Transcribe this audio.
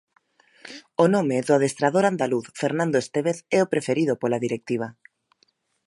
O nome do adestrador andaluz Fernando Estévez é o preferido pola directiva.